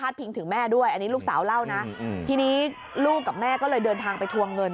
ทีนี้ลูกกับแม่ก็เลยเดินทางไปทวงเงิน